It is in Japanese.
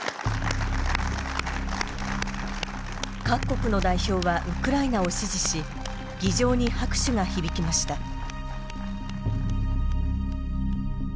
各国の代表はウクライナを支持し議場に拍手が響きました。